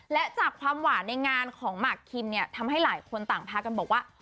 และจากความหวานในงานของหมากคิมเนี่ยทำให้หลายคนต่างพากันบอกว่า